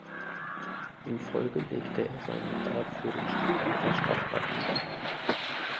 In Folge legte er sein Mandat für den Stuttgarter Stadtrat nieder.